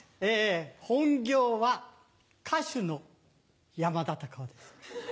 本業は歌手の山田隆夫です。